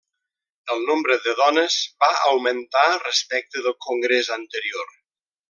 El nombre de dones va augmentar respecte del congrés anterior.